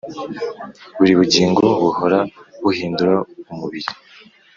buri bugingo buhora buhindura umubiri